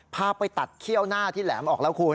พาไปตัดเขี้ยวหน้าที่แหลมออกแล้วคุณ